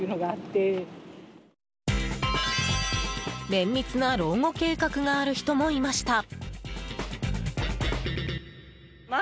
綿密な老後計画がある人もいました。